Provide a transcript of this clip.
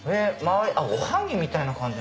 おはぎみたいな感じ？